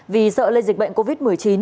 vì sợ lây dịch bệnh covid một mươi chín